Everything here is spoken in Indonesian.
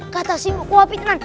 gak tau sih mau ke mana